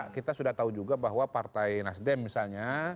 kita sudah tahu juga bahwa partai nasdem misalnya